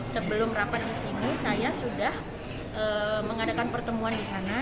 sebelum rapat di sini saya sudah mengadakan pertemuan di sana